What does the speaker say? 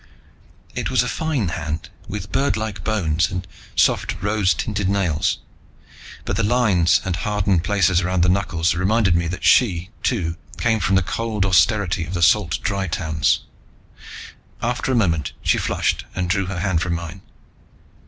It was a fine hand, with birdlike bones and soft rose tinted nails; but the lines and hardened places around the knuckles reminded me that she, too, came from the cold austerity of the salt Dry towns. After a moment she flushed and drew her hand from mine.